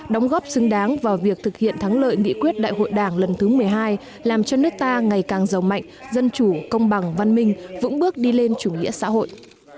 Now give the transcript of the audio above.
đóng góp xứng đáng vào việc thực hiện thắng lợi nghị quyết đại hội đảng lần thứ một mươi hai làm cho nước ta ngày càng giàu mạnh dân chủ công bằng văn minh vững bước đi lên chủ nghĩa xã hội